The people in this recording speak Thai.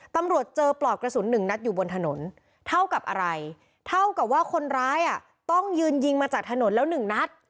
ตำรวจเจอปลอกกระสุนหนึ่งนัดอยู่บนถนนเท่ากับอะไรเท่ากับว่าคนร้ายต้องยืนยิงมาจากถนนแล้วหนึ่งนัด